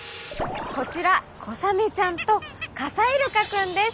こちらコサメちゃんと傘イルカくんです。